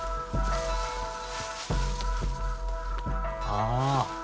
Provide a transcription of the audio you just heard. ああ。